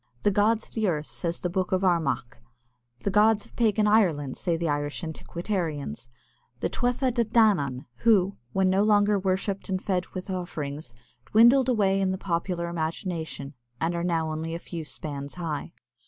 "The gods of the earth," says the Book of Armagh. "The gods of pagan Ireland," say the Irish antiquarians, "the Tuatha De Danān, who, when no longer worshipped and fed with offerings, dwindled away in the popular imagination, and now are only a few spans high."